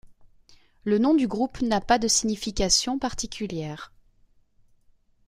Le nom du groupe n'a pas de signification particulière.